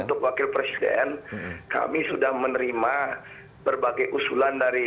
untuk wakil presiden kami sudah menerima berbagai usulan dari